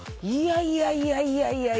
いやいや。